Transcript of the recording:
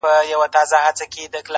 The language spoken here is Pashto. خلاصه خوله کي دوه غاښونه ځلېدلي،